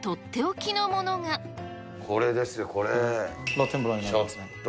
これですよ、これ。